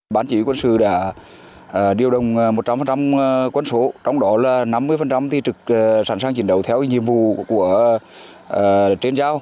ban chỉ huy quân sự đã điều đồng một trăm linh quân số trong đó là năm mươi trực sẵn sàng chiến đấu theo nhiệm vụ của trên giao